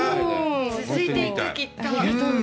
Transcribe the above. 続いていく、きっと。